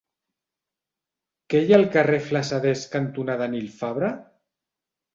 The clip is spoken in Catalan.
Què hi ha al carrer Flassaders cantonada Nil Fabra?